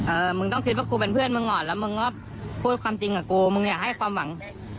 มึงต้องคิดว่ากูเป็นเพื่อนมึงก่อนแล้วมึงก็พูดความจริงกับกูมึงอย่าให้ความหวัง